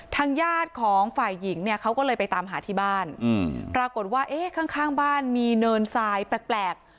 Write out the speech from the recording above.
ทางญาติของฝ่ายหญิงเนี่ยเขาก็เลยไปตามหาที่บ้านปรากฏว่าเอ๊ะข้างข้างบ้านมีเนินทรายแปลก